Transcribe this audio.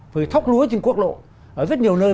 rồi thóc lúa trên quốc lộ ở rất nhiều nơi